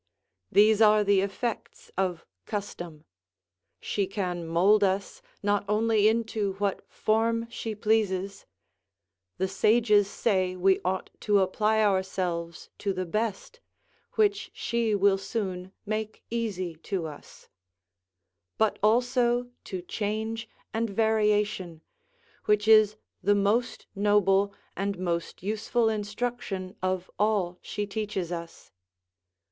These are the effects of custom; she can mould us, not only into what form she pleases (the sages say we ought to apply ourselves to the best, which she will soon make easy to us), but also to change and variation, which is the most noble and most useful instruction of all she teaches us.